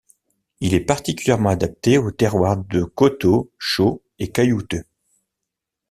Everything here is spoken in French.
Il est particulièrement adapté aux terroirs de coteaux, chauds et caillouteux.